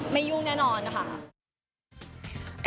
ไม่ยุ่งแน่นอนนะคะ